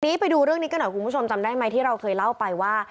ทีนี้ไปดูเรื่องนี้กันหน่อยคุณผู้ชมจำได้ไหมที่เราเคยเล่าไปว่า